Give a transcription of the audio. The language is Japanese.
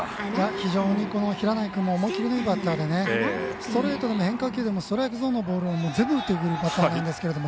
非常に平内君も思い切りのいいバッターでストレートでも変化球でもストライクゾーンのボールは全部打ってくるバッターなんです。